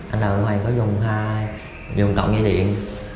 anh đào minh hoàng có dùng tổng dây điện